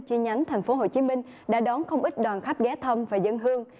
chi nhánh thành phố hồ chí minh đã đón không ít đoàn khách ghé thăm và dân hương